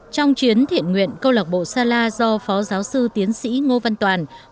trong chiến thiện nguyện câu lạc bộ sala do phó giáo sư tiến sĩ ngô văn toàn